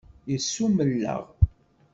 Yessummel-aɣ.